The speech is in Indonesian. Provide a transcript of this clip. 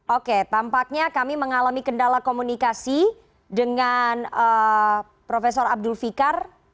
oke tampaknya kami mengalami kendala komunikasi dengan prof abdul fikar